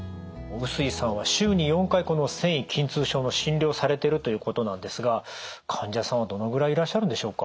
臼井さんは週に４回この線維筋痛症の診療をされてるということなんですが患者さんはどのぐらいいらっしゃるんでしょうか？